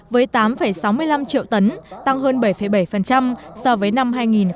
với tám sáu mươi năm triệu tấn tăng hơn bảy bảy so với năm hai nghìn một mươi bảy